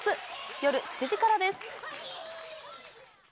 夜７時からです。